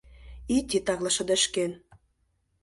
Ит титакле шыдешкен